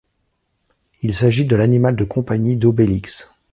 Il s'agit de l'animal de compagnie d'Obélix.